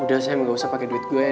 udah sayang gak usah pake duit gue ya